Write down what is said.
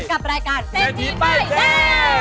กับรายการเมติปล่อยแดง